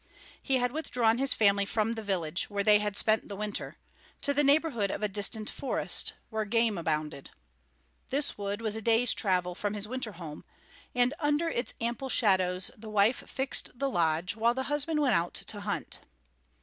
He had withdrawn his family from the village, where they had spent the winter, to the neighborhood of a distant forest, where game abounded. This wood was a day's travel from his winter home, and under its ample shadows the wife fixed the lodge, while the husband went out to hunt.